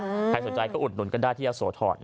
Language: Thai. ยาโสทรใครสนใจก็อุดหนุนกันได้ที่ยาโสทร